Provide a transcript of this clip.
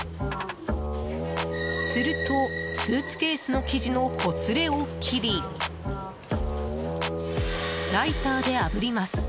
すると、スーツケースの生地のほつれを切りライターであぶります。